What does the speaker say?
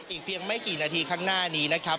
อีกเพียงไม่กี่นาทีข้างหน้านี้นะครับ